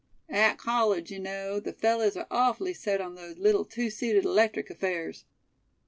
"At college, you know, the fellahs are awfully set on those little two seated electric affairs."